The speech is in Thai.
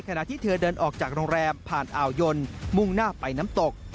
ขณะที่เธอเดินออกจากโรงแรมผ่านอ่าวยนมุ่งหน้าไปน้ำตก